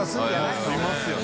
いやしますよね。